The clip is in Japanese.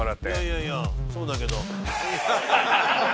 「いやいやそうだけど」